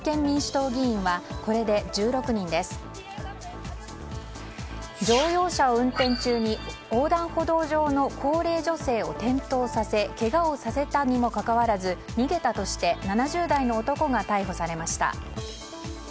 乗用車を運転中に横断歩道上の高齢女性を転倒させけがをさせたにもかかわらず逃げたとして７０代の男が逮捕されました。